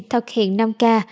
thực hiện năm ca